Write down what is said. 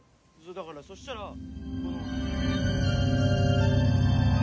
だからそしたらこの。